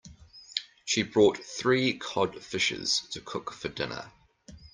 She bought three cod fishes to cook for dinner.